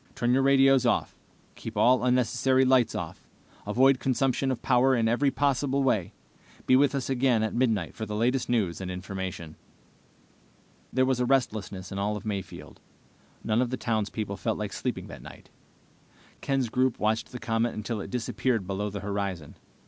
Turn your radios off. Keep all unnecessary lights off. Avoid consumption of power in every possible way. Be with us again at midnight for the latest news and information." There was a restlessness in all of Mayfield. None of the townspeople felt like sleeping that night. Ken's group watched the comet until it disappeared below the horizon.